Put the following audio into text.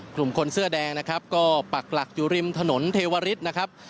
กลุ่มคนเสื้อแดงนะครับก็ปักหลักอยู่ริมถนนเทวริสนะครับ